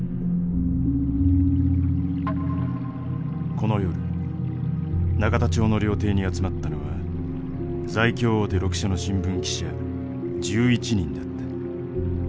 この夜永田町の料亭に集まったのは在京大手６社の新聞記者１１人だった。